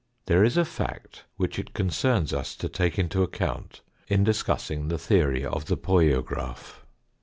There is a fact which it concerns us to take into account in discussing the theory of the poiograph.